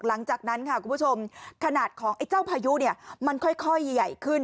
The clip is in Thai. หลังจากนั้นค่ะคุณผู้ชมขนาดของไอ้เจ้าพายุเนี่ยมันค่อยใหญ่ขึ้น